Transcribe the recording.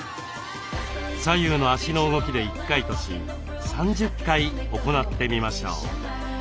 左右の足の動きで１回とし３０回行ってみましょう。